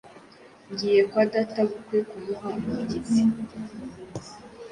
Ngiye kwa databukwe kumuha umubyizi